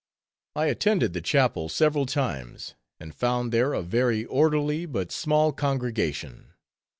I attended the chapel several times, and found there a very orderly but small congregation.